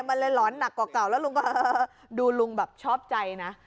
มันเลยหลอนหนักกว่าเก่าแล้วลุงก็ดูลุงแบบชอบใจนะ